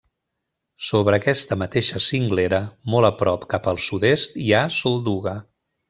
Sobre aquesta mateixa cinglera, molt a prop cap al sud-est hi ha Solduga.